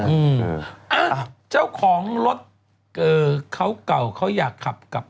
อ้าวเจ้าของรถเขาเก่าเขาอยากขับกับ